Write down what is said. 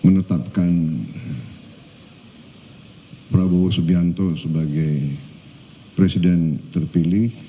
menetapkan prabowo subianto sebagai presiden terpilih